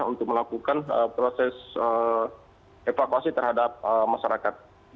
untuk melakukan proses evakuasi terhadap masyarakat